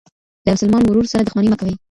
له مسلمان ورور سره دښمني مه کوئ.